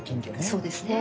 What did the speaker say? そうですね。